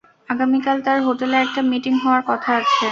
আগামীকাল তার হোটেলে একটা মিটিং হওয়ার কথা আছে।